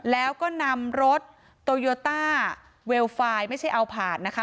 แล้วก็นำรถโตโยต้าเวลไฟล์ไม่ใช่เอาผ่านนะคะ